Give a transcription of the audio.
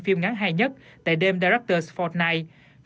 phim ngắn hay nhất tại đêm director for night